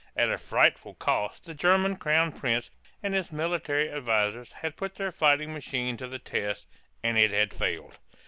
At a frightful cost the German crown prince and his military advisers had put their fighting machine to the test, and it had failed.